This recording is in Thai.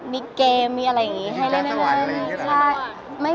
มีเกมมีอะไรอย่างนี้